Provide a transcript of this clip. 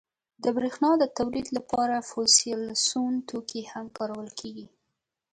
• د برېښنا د تولید لپاره فوسیل سون توکي هم کارول کېږي.